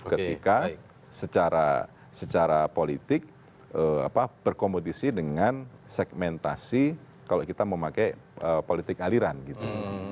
ketika secara politik berkompetisi dengan segmentasi kalau kita memakai politik aliran gitu